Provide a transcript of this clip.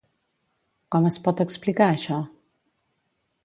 Com es pot explicar això?